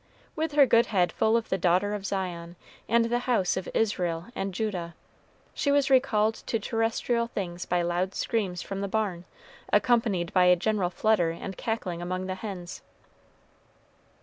With her good head full of the "daughter of Zion" and the house of Israel and Judah, she was recalled to terrestrial things by loud screams from the barn, accompanied by a general flutter and cackling among the hens.